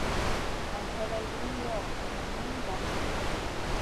Nan hoday wilin yoh? Nen min gang sunu.